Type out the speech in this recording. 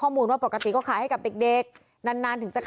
และก็คือว่าถึงแม้วันนี้จะพบรอยเท้าเสียแป้งจริงไหม